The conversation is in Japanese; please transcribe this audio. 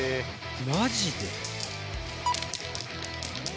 マジで？